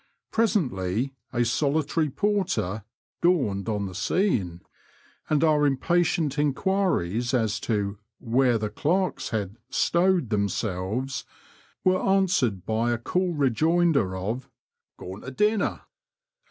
Presently a solitary porter dawned on the scene," and our impatient enquiries as to where the clerks had 'stowed* themselves were answered by a cool rejoinder of Gone to •dinner.'